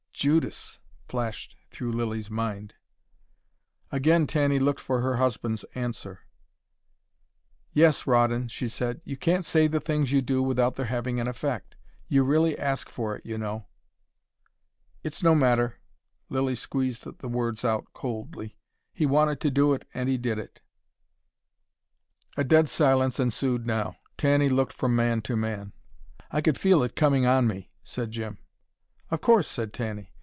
"Judas!" flashed through Lilly's mind. Again Tanny looked for her husband's answer. "Yes, Rawdon," she said. "You can't say the things you do without their having an effect. You really ask for it, you know." "It's no matter." Lilly squeezed the words out coldly. "He wanted to do it, and he did it." A dead silence ensued now. Tanny looked from man to man. "I could feel it coming on me," said Jim. "Of course!" said Tanny.